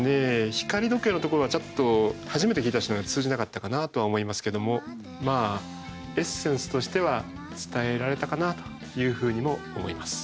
光時計のところはちょっと初めて聞いた人には通じなかったかなと思いますけどもまあエッセンスとしては伝えられたかなというふうにも思います。